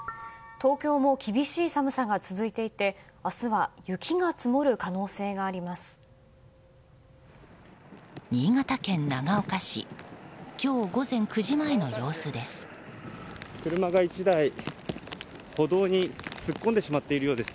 東京も厳しい寒さが続いていて明日は雪が積もる可能性があります。